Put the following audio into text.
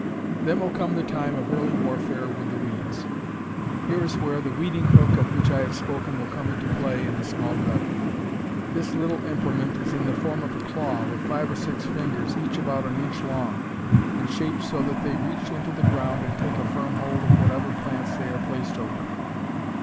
Then will come the time of early warfare with the weeds. Here is where the weeding hook of which I have spoken will come into play in the small garden. This little implement is in the form of a claw, with five or six fingers, each about an inch long, and shaped so that they reach into the ground and take a firm hold of whatever plants they are placed over.